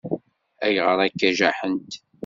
Ayɣer akka i jaḥent?